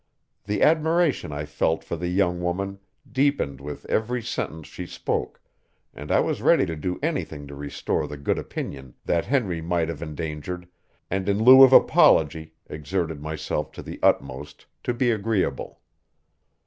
The admiration I felt for the young woman deepened with every sentence she spoke, and I was ready to do anything to restore the good opinion that Henry might have endangered, and in lieu of apology exerted myself to the utmost to be agreeable.